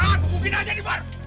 tahan bukuin aja di bar